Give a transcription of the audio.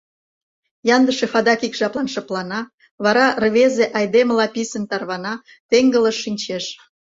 Яндышев адак ик жаплан шыплана, вара рвезе айдемыла писын тарвана, теҥгылыш шинчеш.